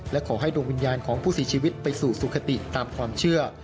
และขอให้ดวงวิญญาณของผู้เสียชีวิตไปสู่สุขติตามความเชื่อ